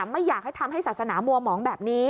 ไม่อยากให้ทำให้ศาสนามัวหมองแบบนี้